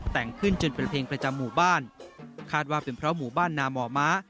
แต่งขึ้นจนเป็นเพลงประจำหมู่บ้านคาดว่าเป็นเพราะหมู่บ้านนาหมอม้า